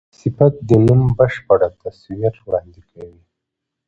صفت د نوم بشپړ تصویر وړاندي کوي.